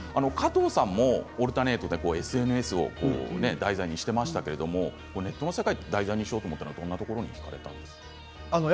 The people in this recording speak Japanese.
加藤さんも「オルタネート」でＳＮＳを題材にしていましたけどネットの世界を題材にしようと思ったのは、どんなところにひかれたんですか？